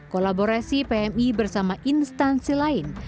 kolaborasi pmi bersama instansi lain